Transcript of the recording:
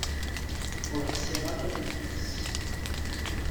Ur ḥṣiɣ ara ad d-yas.